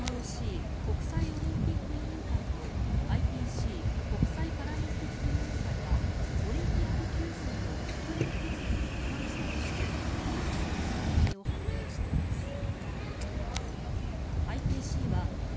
ＩＯＣ・国際オリンピック委員会とＩＰＣ・国際パラリンピック委員会はオリンピック休戦の国連決議に違反したとして非難する声明を発表しています。